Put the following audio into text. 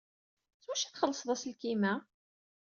S wacu ay txellṣed aselkim-a?